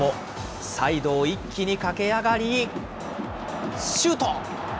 サイドを一気に駆け上がり、シュート。